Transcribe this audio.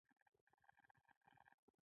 لیونۍ خو نه یم چې شریف او ناشریف ته نه ګورم.